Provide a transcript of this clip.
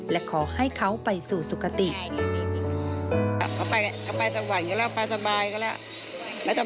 และขอให้เขาไปสู่สุขติ